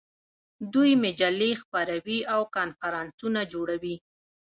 دوی مجلې خپروي او کنفرانسونه جوړوي.